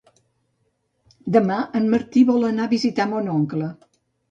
Demà en Martí vol anar a visitar mon oncle.